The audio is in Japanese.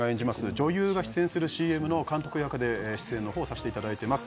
女優が出演するＣＭの監督役で出演をさせていただいています。